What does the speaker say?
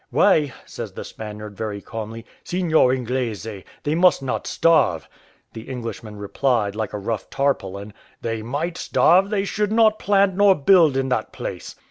"Why," says the Spaniard, very calmly, "Seignior Inglese, they must not starve." The Englishman replied, like a rough tarpaulin, "They might starve; they should not plant nor build in that place."